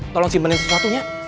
tolong simpenin sesuatu nya